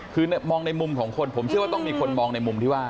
คือมองในมุมของคนผมเชื่อว่าต้องมีคนมองในมุมที่ว่า